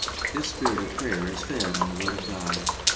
This spirit of prayer is fed on the Word of God.